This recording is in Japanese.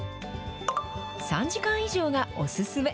３時間以上がお勧め。